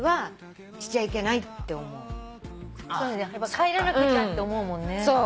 帰らなくちゃって思うもんね。